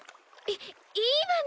いいいわね！